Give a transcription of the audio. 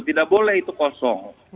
tidak boleh itu kosong